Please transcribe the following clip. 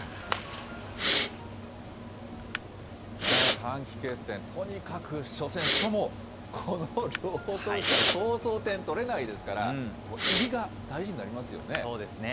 短期決戦、とにかく初戦、しかも、この両投手からそうそう点取れないですから、もう、そうですね。